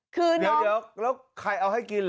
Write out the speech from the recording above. คือเดี๋ยวแล้วใครเอาให้กิน